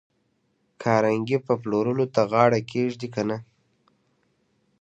کارنګي به پلورلو ته غاړه کېږدي که نه